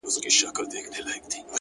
هره ورځ د ودې نوی فرصت زېږوي.!